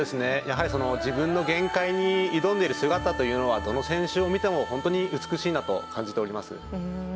やはり自分の限界に挑んでいる姿というのはどの選手を見ても本当に美しいなと感じております。